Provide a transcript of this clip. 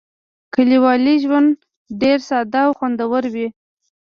کلیوالي ژوند ډېر ساده او خوندور وي.